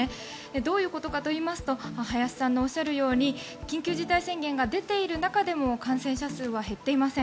どういうことかといいますと林さんのおっしゃるように緊急事態宣言が出ている中でも感染者数は減っていません。